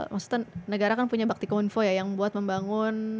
maksudnya negara kan punya baktikum info ya yang membangun infrastruktur digital